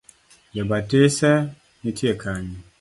Jobatiso nitie kanye.